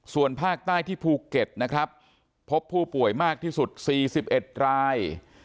ส่วนภาคใต้ที่ภูเก็ตนะครับพบผู้ป่วยมากที่สุด๔๑ราย